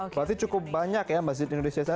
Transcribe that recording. berarti cukup banyak ya masjid indonesia